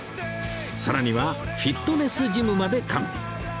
さらにはフィットネスジムまで完備